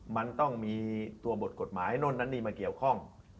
มันต้องมีตัวบทกฎหมายโน่นนั้นนี่มาเกี่ยวข้อง